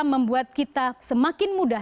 membuat kita semakin mudah